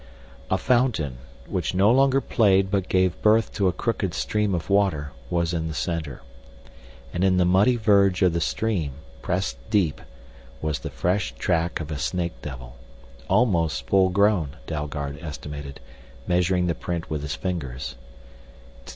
A fountain, which no longer played but gave birth to a crooked stream of water, was in the center. And in the muddy verge of the stream, pressed deep, was the fresh track of a snake devil. Almost full grown, Dalgard estimated, measuring the print with his fingers.